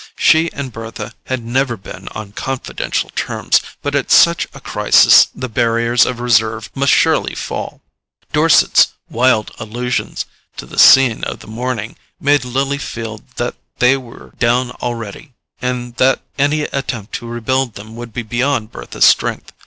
She and Bertha had never been on confidential terms, but at such a crisis the barriers of reserve must surely fall: Dorset's wild allusions to the scene of the morning made Lily feel that they were down already, and that any attempt to rebuild them would be beyond Bertha's strength.